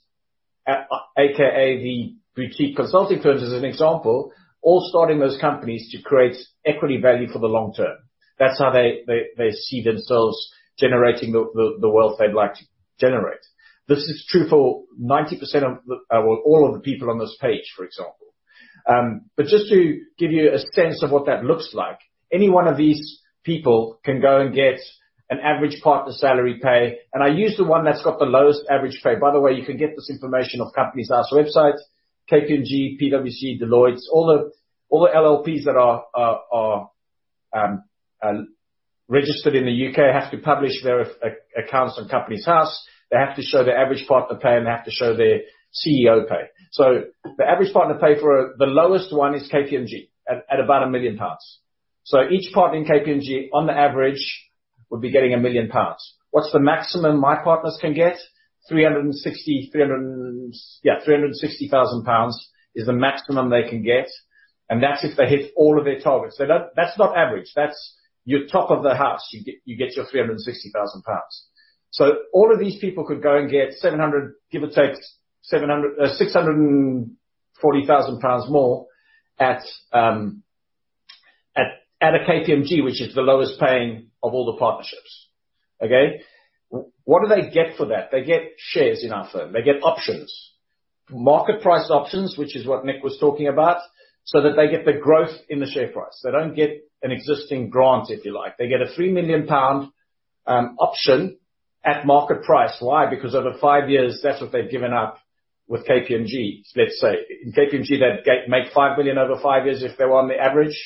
AKA the boutique consulting firms, as an example, all starting those companies to create equity value for the long term. That's how they see themselves generating the wealth they'd like to generate. This is true for 90% of the, well, all of the people on this page, for example. Just to give you a sense of what that looks like, any one of these people can go and get an average partner salary pay, and I use the one that's got the lowest average pay. By the way, you can get this information off Companies House website, KPMG, PwC, Deloitte, all the LLPs that are registered in the U.K. have to publish their accounts on Companies House. They have to show their average partner pay, and they have to show their CEO pay. The average partner pay for the lowest one is KPMG at about 1 million pounds. Each partner in KPMG, on the average, would be getting 1 million pounds. What's the maximum my partners can get? 360,000 pounds is the maximum they can get, and that's if they hit all of their targets. That, that's not average. That's you're top of the house, you get your 360,000 pounds. All of these people could go and get 640,000 pounds more at a KPMG, which is the lowest paying of all the partnerships. Okay? What do they get for that? They get shares in our firm. They get options. Market price options, which is what Nick was talking about, so that they get the growth in the share price. They don't get an existing grant, if you like. They get a 3 million pound option at market price. Why? Because over five years, that's what they've given up with KPMG, let's say. In KPMG, they'd make 5 million over five years if they were on the average.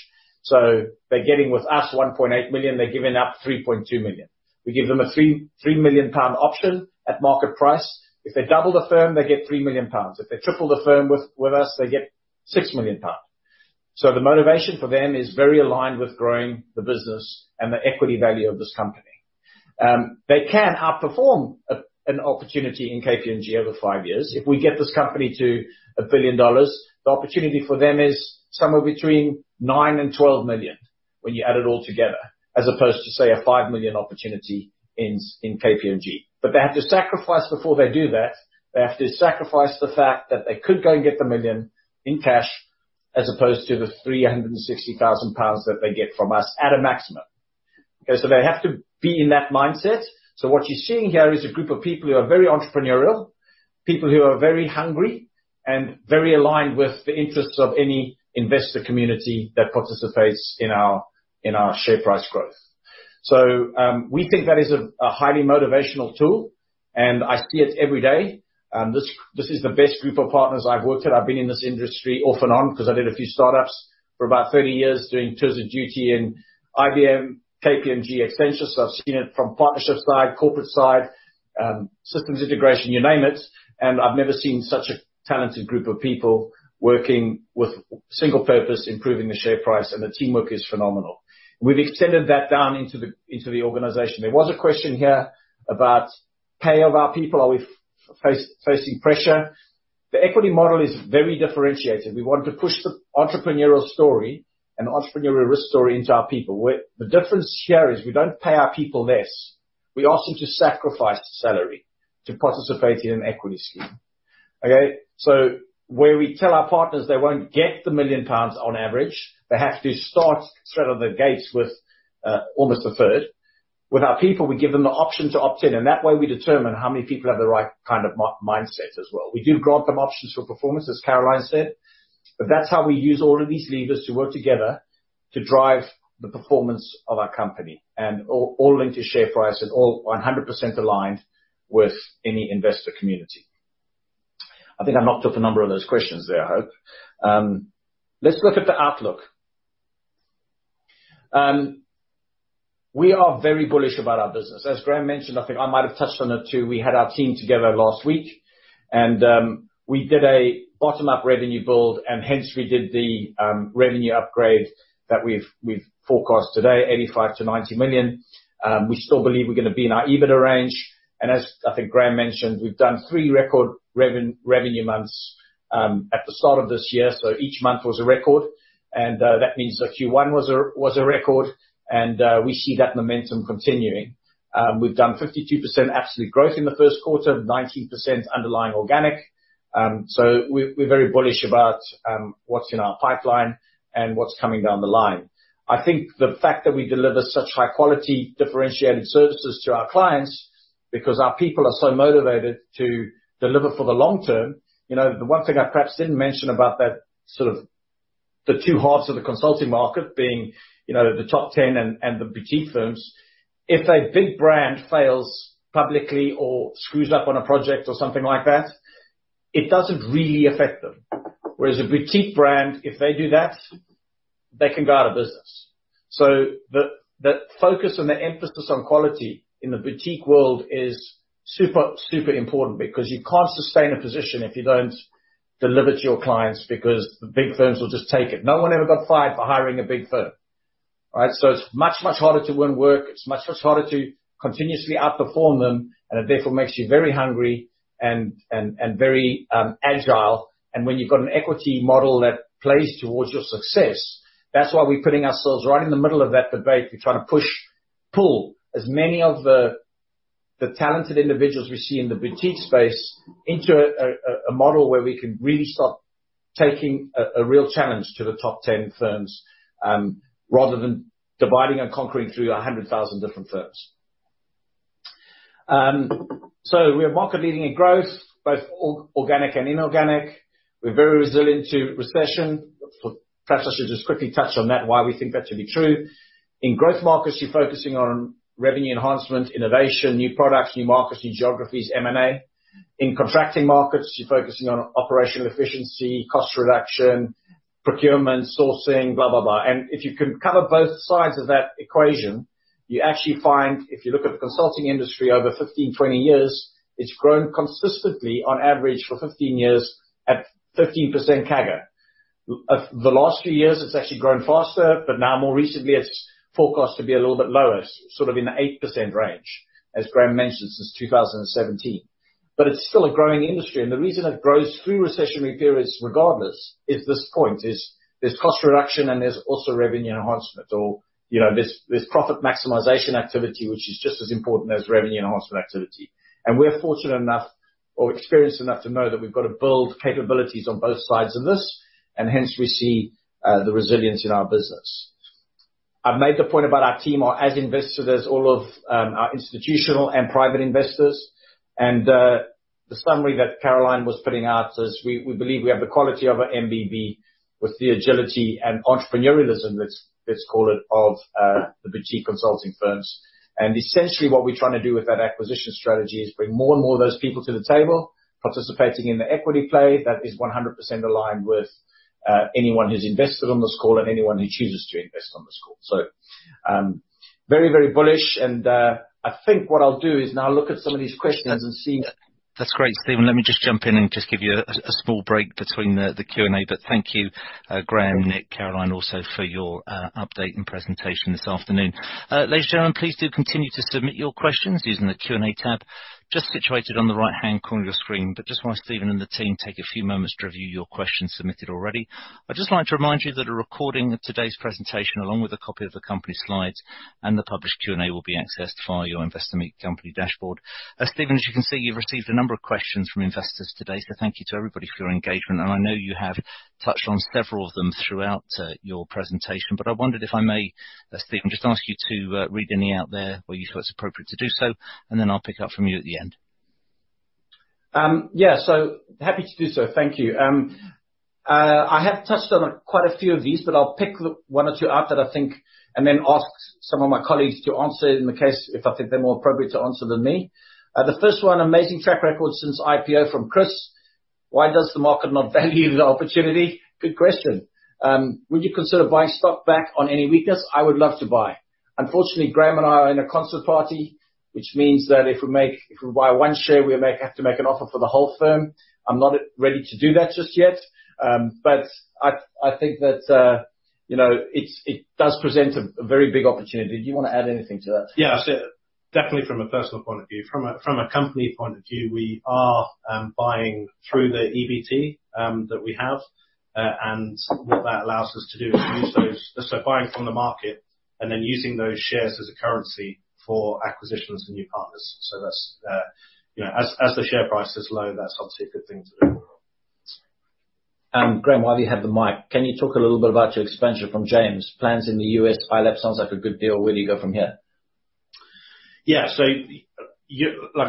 So they're getting with us 1.8 million, they're giving up 3.2 million. We give them a 3 million pound option at market price. If they double the firm, they get 3 million pounds. If they triple the firm with us, they get 6 million pounds. The motivation for them is very aligned with growing the business and the equity value of this company. They can outperform an opportunity in KPMG over five years. If we get this company to $1 billion, the opportunity for them is somewhere between $9 million-$12 million when you add it all together, as opposed to, say, a $5 million opportunity in KPMG. They have to sacrifice before they do that. They have to sacrifice the fact that they could go and get the $1 million in cash as opposed to the 360,000 pounds that they get from us at a maximum. Okay? They have to be in that mindset. What you're seeing here is a group of people who are very entrepreneurial, people who are very hungry and very aligned with the interests of any investor community that participates in our, in our share price growth. We think that is a highly motivational tool, and I see it every day. This is the best group of partners I've worked with. I've been in this industry off and on because I did a few startups for about 30 years doing tours of duty in IBM, KPMG, Accenture. I've seen it from partnership side, corporate side, systems integration, you name it, and I've never seen such a talented group of people working with single purpose, improving the share price, and the teamwork is phenomenal. We've extended that down into the organization. There was a question here about pay of our people. Are we facing pressure? The equity model is very differentiated. We want to push the entrepreneurial story and entrepreneurial risk story into our people. The difference here is we don't pay our people less. We ask them to sacrifice salary to participate in an equity scheme. Okay? Where we tell our partners they won't get the 1 million pounds on average, they have to start straight out of the gates with almost a 1/3. With our people, we give them the option to opt in, and that way we determine how many people have the right kind of mindset as well. We do grant them options for performance, as Caroline said, but that's how we use all of these levers to work together to drive the performance of our company and all linked to share price and all 100% aligned with any investor community. I think I knocked off a number of those questions there, I hope. Let's look at the outlook. We are very bullish about our business. As Graham mentioned, I think I might have touched on it too, we had our team together last week and we did a bottom-up revenue build, and hence we did the revenue upgrade that we've forecast today, 85 million-90 million. We still believe we're gonna be in our EBITDA range, and as I think Graham mentioned, we've done three record revenue months at the start of this year, so each month was a record. That means that Q1 was a record and we see that momentum continuing. We've done 52% absolute growth in the first quarter, 19% underlying organic, so we're very bullish about what's in our pipeline and what's coming down the line. I think the fact that we deliver such high quality, differentiated services to our clients because our people are so motivated to deliver for the long term. You know, the one thing I perhaps didn't mention about that, sort of the two halves of the consulting market being, you know, the top 10 and the boutique firms, if a big brand fails publicly or screws up on a project or something like that, it doesn't really affect them. Whereas a boutique brand, if they do that, they can go out of business. The focus and the emphasis on quality in the boutique world is super important, because you can't sustain a position if you don't deliver to your clients, because the big firms will just take it. No one ever got fired for hiring a big firm, right? It's much, much harder to win work. It's much, much harder to continuously outperform them, and it therefore makes you very hungry and very agile. When you've got an equity model that plays towards your success, that's why we're putting ourselves right in the middle of that debate. We're trying to push, pull as many of the talented individuals we see in the boutique space into a model where we can really start taking a real challenge to the top 10 firms, rather than dividing and conquering through 100,000 different firms. So we are market leading in growth, both organic and inorganic. We're very resilient to recession. Perhaps I should just quickly touch on that, why we think that to be true. In growth markets, you're focusing on revenue enhancement, innovation, new products, new markets, new geographies, M&A. In contracting markets, you're focusing on operational efficiency, cost reduction, procurement, sourcing, blah, blah. If you can cover both sides of that equation, you actually find, if you look at the consulting industry over 15, 20 years, it's grown consistently on average for 15 years at 15% CAGR. The last few years it's actually grown faster, now more recently it's forecast to be a little bit lower, sort of in the 8% range, as Graham mentioned, since 2017. It's still a growing industry, and the reason it grows through recessionary periods regardless is this point, is there's cost reduction and there's also revenue enhancement. You know, there's profit maximization activity, which is just as important as revenue enhancement activity. We're fortunate enough or experienced enough to know that we've got to build capabilities on both sides of this, and hence we see the resilience in our business. I've made the point about our team are as invested as all of our institutional and private investors. The summary that Caroline was putting out is we believe we have the quality of an MBB with the agility and entrepreneurialism, let's call it, of the boutique consulting firms. Essentially what we're trying to do with that acquisition strategy is bring more and more of those people to the table, participating in the equity play that is 100% aligned with anyone who's invested on the score and anyone who chooses to invest on the score. Very, very bullish and I think what I'll do is now look at some of these questions and see- That's great, Stephen. Let me just jump in and just give you a small break between the Q&A. Thank you, Graham, Nick, Caroline, also for your update and presentation this afternoon. Ladies and gentlemen, please do continue to submit your questions using the Q&A tab just situated on the right-hand corner of your screen. Just while Stephen and the team take a few moments to review your questions submitted already, I'd just like to remind you that a recording of today's presentation, along with a copy of the company slides and the published Q&A, will be accessed via your Investor Meet Company dashboard. Stephen, as you can see, you've received a number of questions from investors today. Thank you to everybody for your engagement. I know you have touched on several of them throughout your presentation, but I wondered if I may, Stephen, just ask you to read any out there where you feel it's appropriate to do so, and then I'll pick up from you at the end. Yeah, happy to do so. Thank you. I have touched on quite a few of these. I'll pick one or two out that I think... and then ask some of my colleagues to answer in the case if I think they're more appropriate to answer than me. The first one, "Amazing track record since IPO," from Chris. "Why does the market not value the opportunity?" Good question. "Would you consider buying stock back on any weakness? I would love to buy." Unfortunately, Graham and I are in a concert party, which means that if we buy one share, we have to make an offer for the whole firm. I'm not ready to do that just yet. I think that, you know, it's, it does present a very big opportunity. Do you wanna add anything to that? Yeah, definitely from a personal point of view. From a company point of view, we are buying through the EBT that we have. What that allows us to do is buying from the market and then using those shares as a currency for acquisitions for new partners. That's, you know, as the share price is low, that's obviously a good thing to do. Graham, while you have the mic, can you talk a little bit about your expansion from James? Plans in the U.S., iOLAP sounds like a good deal. Where do you go from here? Like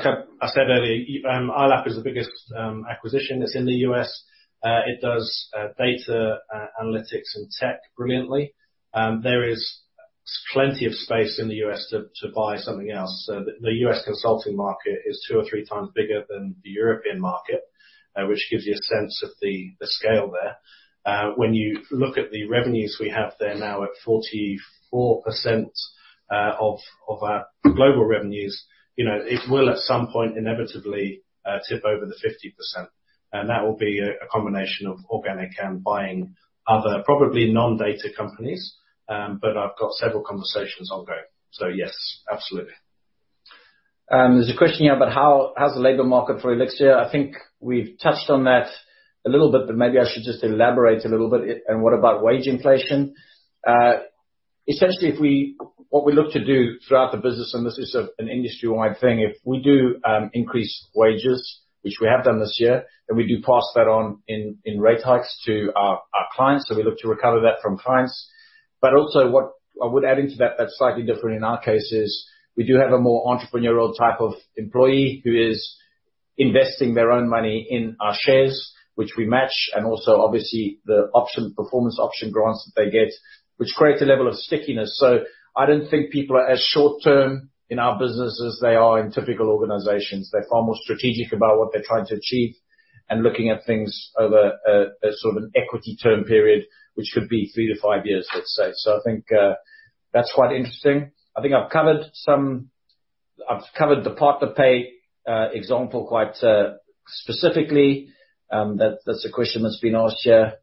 I said earlier, iOLAP is the biggest acquisition that's in the U.S. It does data analytics and tech brilliantly. There is plenty of space in the U.S. to buy something else. The U.S. consulting market is 2x or 3x bigger than the European market, which gives you a sense of the scale there. When you look at the revenues we have, they're now at 44% of our global revenues. You know, it will, at some point, inevitably tip over the 50%, and that will be a combination of organic and buying other, probably non-data companies. I've got several conversations ongoing. Yes, absolutely. There's a question here about how's the labor market for Elixirr. I think we've touched on that a little bit, but maybe I should just elaborate a little bit, and what about wage inflation. Essentially, what we look to do throughout the business, and this is an industry-wide thing, if we do increase wages, which we have done this year, then we do pass that on in rate hikes to our clients. We look to recover that from clients, but also what I would add into that that's slightly different in our case is we do have a more entrepreneurial type of employee who is investing their own money in our shares, which we match, and also obviously the option, performance option grants that they get, which creates a level of stickiness. I don't think people are as short-term in our business as they are in typical organizations. They're far more strategic about what they're trying to achieve and looking at things over a sort of an equity term period, which could be three-five years, let's say. I think that's quite interesting. I think I've covered some... I've covered the partner pay example quite specifically, that's a question that's been asked here.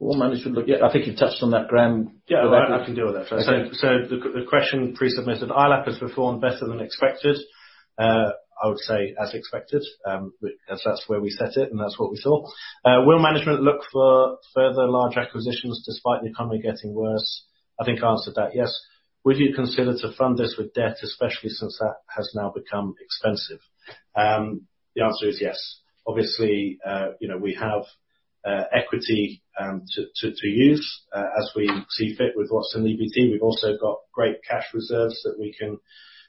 Yeah, I think you've touched on that, Graham. Yeah, I can deal with that. Okay. The question pre-submitted, iOLAP has performed better than expected. I would say as expected, 'cause that's where we set it, and that's what we saw. Will management look for further large acquisitions despite the economy getting worse? I think I answered that, yes. Would you consider to fund this with debt, especially since that has now become expensive? The answer is yes. Obviously, you know, we have equity to use as we see fit with what's in EBT. We've also got great cash reserves that we can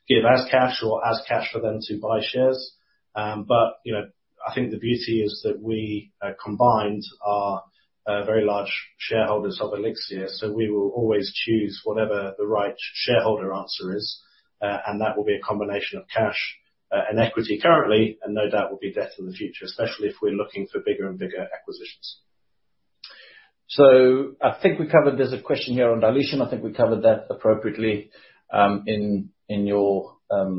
give as cash or as cash for them to buy shares. You know, I think the beauty is that we combined are very large shareholders of Elixirr, we will always choose whatever the right shareholder answer is. That will be a combination of cash, and equity currently, and no doubt will be debt in the future, especially if we're looking for bigger and bigger acquisitions. I think we covered... There's a question here on dilution. I think we covered that appropriately in your. Yeah.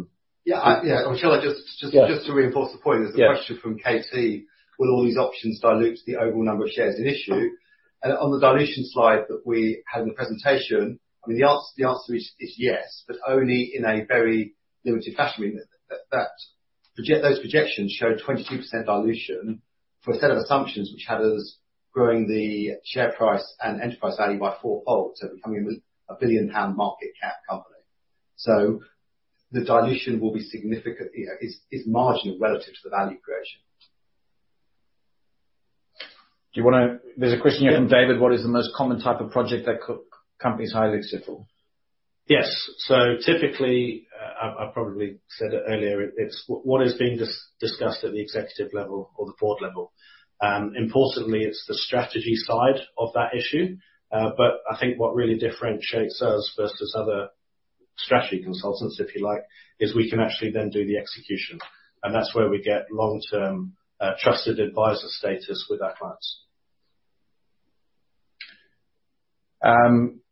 yeah. Yeah. Just to reinforce the point. Yeah. There's a question from Katie, will all these options dilute the overall number of shares in issue? On the dilution slide that we had in the presentation, I mean, the answer is yes, but only in a very limited fashion. We, that project-- those projections show 22% dilution for a set of assumptions which had us growing the share price and enterprise value by fourfold, so becoming a billion-pound market cap company. The dilution will be significant, you know, is marginal relative to the value creation. Do you wanna... There's a question here from David: What is the most common type of project that companies hire Elixirr for? Typically, I probably said it earlier, it's what is being discussed at the executive level or the board level. Importantly, it's the strategy side of that issue. I think what really differentiates us versus other strategy consultants, if you like, is we can actually then do the execution, and that's where we get long-term, trusted advisor status with our clients.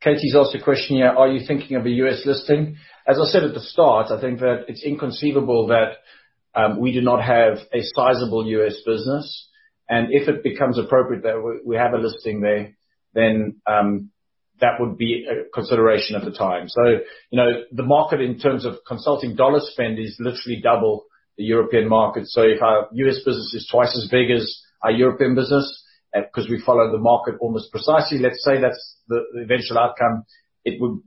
Katie's asked a question here: Are you thinking of a U.S. listing? As I said at the start, I think that it's inconceivable that we do not have a sizable U.S. business, and if it becomes appropriate that we have a listing there, then that would be a consideration at the time. You know, the market in terms of consulting dollar spend is literally double the European market. If our U.S. business is twice as big as our European business, 'cause we follow the market almost precisely, let's say that's the eventual outcome, it would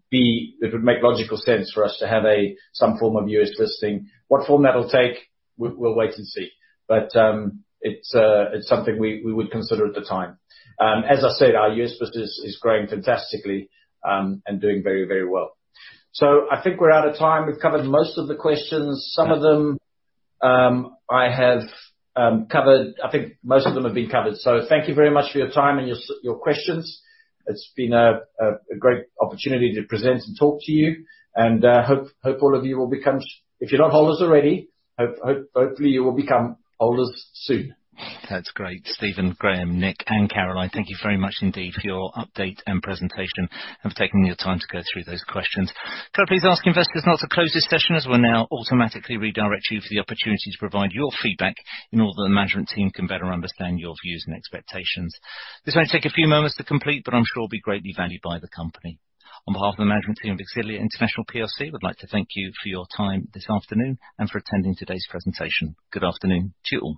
make logical sense for us to have a, some form of U.S. listing. What form that'll take, we'll wait and see. It's something we would consider at the time. As I said, our U.S. business is growing fantastically and doing very, very well. I think we're out of time. We've covered most of the questions. Some of them, I have covered. I think most of them have been covered. Thank you very much for your time and your questions. It's been a great opportunity to present and talk to you and hope all of you will become... If you're not holders already, hopefully you will become holders soon. That's great. Stephen, Graham, Nick, and Caroline, thank you very much indeed for your update and presentation, and for taking your time to go through those questions. Can I please ask investors now to close this session, as we'll now automatically redirect you for the opportunity to provide your feedback in order that the management team can better understand your views and expectations. This may take a few moments to complete, but I'm sure it will be greatly valued by the company. On behalf of the management team of Elixirr International PLC, we'd like to thank you for your time this afternoon and for attending today's presentation. Good afternoon to you all.